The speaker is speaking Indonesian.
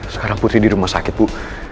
sekarang putri di rumah sakit bu